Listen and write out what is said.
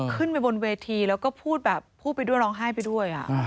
ขึ้นไปบนเวทีแล้วก็พูดแบบพูดไปด้วยร้องไห้ไปด้วย